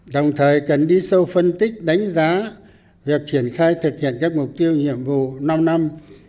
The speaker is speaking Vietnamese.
đồng thời cần đi sâu phân tích đánh giá việc triển khai thực hiện các mục tiêu nhiệm vụ năm năm hai nghìn hai mươi một hai nghìn hai mươi năm